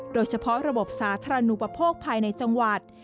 โดยเฉพาะระบบสาธารณูปโภคภายในจังหวัด